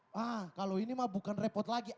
wah kalau ini mah bukan repot lagi